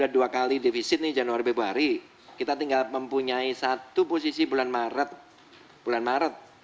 di sini januari bebuari kita tinggal mempunyai satu posisi bulan maret